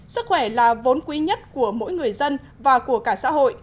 sức khỏe là vốn quý nhất của mỗi người dân và của cả xã hội